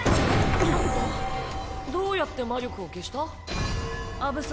どうやって魔力を消した？